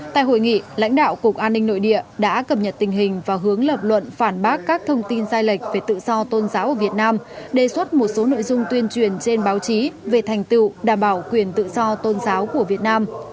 tại hội nghị lãnh đạo cục an ninh nội địa đã cập nhật tình hình và hướng lập luận phản bác các thông tin sai lệch về tự do tôn giáo ở việt nam đề xuất một số nội dung tuyên truyền trên báo chí về thành tựu đảm bảo quyền tự do tôn giáo của việt nam